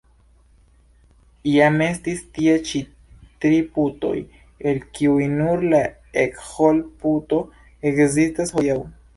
Iam estis tie ĉi tri putoj, el kiuj nur la Eckholdt-puto ekzistas hodiaŭ.